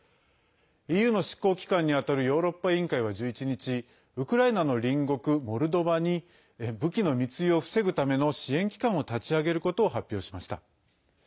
ＥＵの執行機関にあたるヨーロッパ委員会は１１日、ウクライナの隣国モルドバに武器の密輸を防ぐための支援機関を立ち上げることを発表しました。